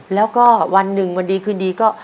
แล้วก็วันหนึ่งวันดีคืนดีก็